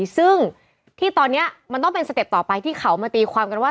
ซึ่งที่ตอนนี้มันต้องเป็นสเต็ปต่อไปที่เขามาตีความกันว่า